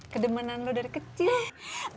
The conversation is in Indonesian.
kedemanan lo dari kecil